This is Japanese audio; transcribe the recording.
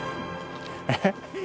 えっ？